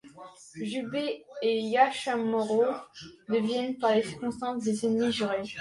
Jûbei et Yashamaro deviennent par les circonstances des ennemis jurés.